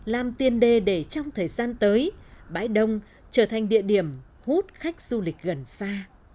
làm tiền đề để trong thời gian tới bãi đông trở thành địa điểm hút khách du lịch gần xa